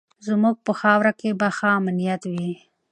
زموږ په خاوره کې به امنیت وي.